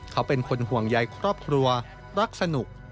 เขาเป็นคนห่วงใยครอบครัวรักสนุก